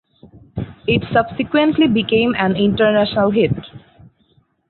It subsequently became an international hit.